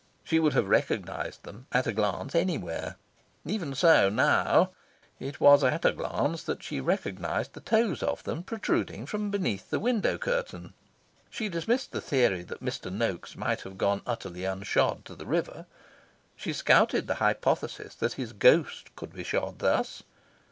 She would have recognised them, at a glance, anywhere. Even so now, it was at a glance that she recognised the toes of them protruding from beneath the window curtain. She dismissed the theory that Mr. Noaks might have gone utterly unshod to the river. She scouted the hypothesis that his ghost could be shod thus.